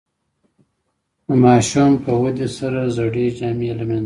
د ماشوم په ودې سره زړې جامې له منځه ځي.